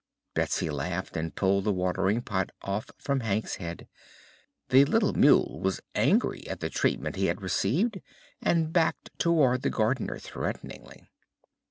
Betsy laughed and pulled the watering pot off from Hank's head. The little mule was angry at the treatment he had received and backed toward the Gardener threateningly.